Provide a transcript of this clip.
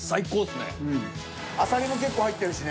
あさりも結構入ってるしね。